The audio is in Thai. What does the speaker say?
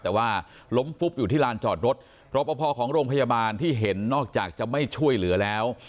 แต่ว่าล้มฟุบอยู่ที่ลานจอดรถรอปภของโรงพยาบาลที่เห็นนอกจากจะไม่ช่วยเหลือแล้ว